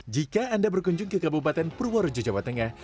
jika anda berkunjung ke kabupaten purworejo jawa tengah